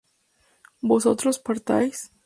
¿vosotros partáis?